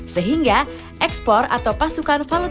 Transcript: sehingga ekspor atau pasukan berkembang akan menurun